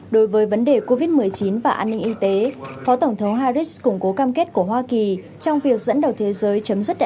đối với vấn đề covid một mươi chín và an ninh y tế phó tổng thống harris củng cố cam kết của hoa kỳ trong việc tăng cường quan hệ đối tác toàn diện việt nam